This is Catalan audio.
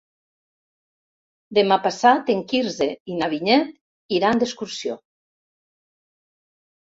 Demà passat en Quirze i na Vinyet iran d'excursió.